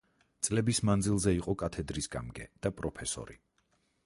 წლების მანძილზე იყო კათედრის გამგე და პროფესორი.